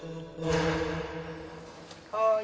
はい。